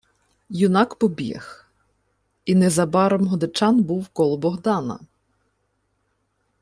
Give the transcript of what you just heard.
Юнак побіг, і незабаром Годечан був коло Богдана.